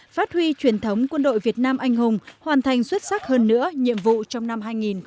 phát huy truyền thống quân đội việt nam anh hùng hoàn thành xuất sắc hơn nữa nhiệm vụ trong năm hai nghìn hai mươi